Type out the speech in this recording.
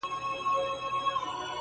• په بېغمه یې د تور دانې خوړلې -